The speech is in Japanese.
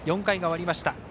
４回が終わりました。